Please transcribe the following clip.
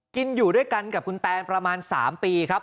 อยู่ด้วยกันกับคุณแตนประมาณ๓ปีครับ